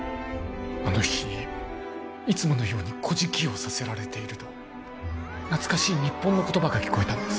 あの日いつものようにこじきをさせられていると懐かしい日本の言葉が聞こえたんです